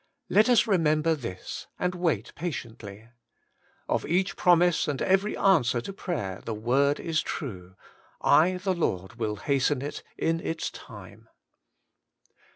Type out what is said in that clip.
Let us remember this, and wait patiently: of each promise and every answer to prayer the 62 WAITING ON GOD! word is true :* I the Lord will hasten it in its time.